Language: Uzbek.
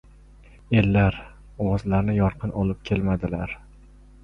Ellar, ovozlarni yorqin olib kelmadilar.